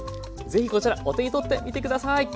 ぜひこちらお手にとってみて下さい。